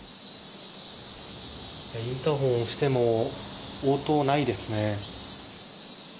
インターホンを押しても応答がないですね。